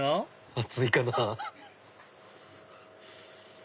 熱いかな。